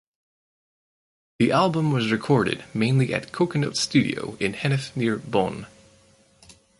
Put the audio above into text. The album was recorded mainly at Coconut Studio in Hennef near Bonn.